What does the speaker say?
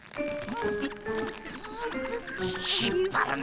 引っぱるな。